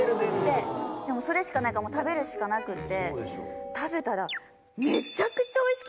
でもそれしかないから食べるしかなくて食べたら。